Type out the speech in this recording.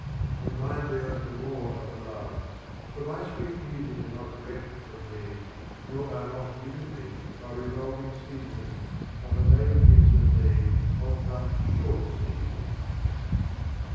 And mine beareth the more of love ; for my sweet musings are not reft from me, nor are not given me, by revolving season, but a lady gives them me of but short season.